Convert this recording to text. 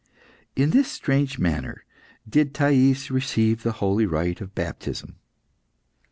In this strange manner did Thais receive the holy rite of baptism.